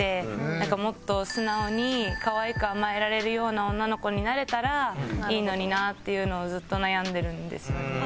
なんかもっと素直に可愛く甘えられるような女の子になれたらいいのになっていうのをずっと悩んでるんですよね。